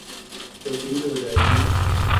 تبدیل ہو جائے گی۔